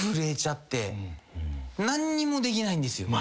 何にもできないんですよね。